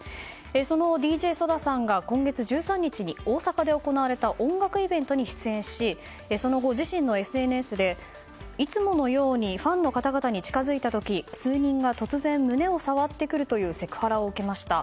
そのＤＪＳＯＤＡさんが今月１３日に大阪で行われた音楽イベントに出演しその後、自身のＳＮＳでいつものようにファンの方々に近づいた時数人が胸を触ってくるというセクハラを受けました。